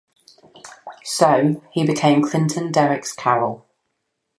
So, he became Clinton Derricks-Carroll.